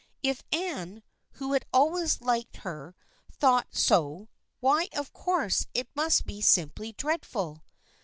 If Anne, who had always liked her, thought so, why of course it must be simply dreadful.